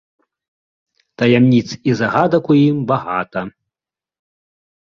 Таямніц і загадак у ім багата.